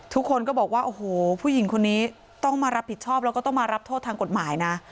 ทุกคนก็บอกว่าโอ้โหผู้หญิงคนนี้ต้องมารับผิดชอบแล้วก็ต้องมารับโทษทางกฎหมายนะ